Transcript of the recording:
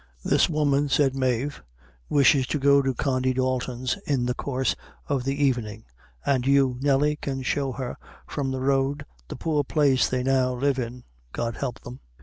"This woman," said Mave, "wishes to go to Condy Dalton's in the course of the evening, and you, Nelly, can show her from the road the poor place they now live in, God help them."